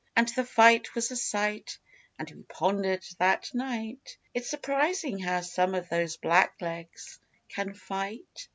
And the fight was a sight, And we pondered that night 'It's surprising how some of those blacklegs can fight!